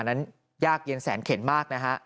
นั้นยากเย็นแสนเข็นมากนะฮะ